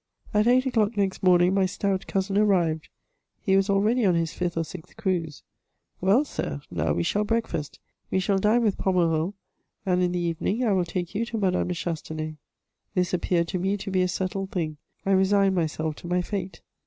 At eight o'clock next morning my stout cousin arrived ; he was already on his fiflh or sixth cruise. "Well, Sir, now we shall breakfast ; we shall dine with Pommereul, and in the evening I will take you to Madame de Ohastenay." This appeared to me to be a settled thing : I resigned myself to my fate.